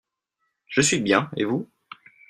Je suis bien, et vous ?